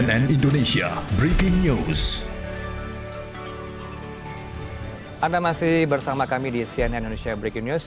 anda masih bersama kami di cnn indonesia breaking news